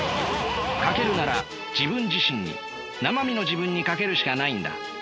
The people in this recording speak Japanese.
賭けるなら自分自身になま身の自分に賭けるしかないんだ。